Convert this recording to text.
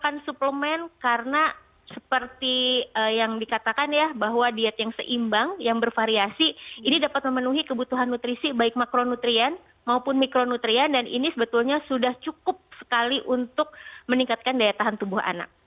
dan suplemen karena seperti yang dikatakan ya bahwa diet yang seimbang yang bervariasi ini dapat memenuhi kebutuhan nutrisi baik makronutrien maupun mikronutrien dan ini sebetulnya sudah cukup sekali untuk meningkatkan daya tahan tubuh anak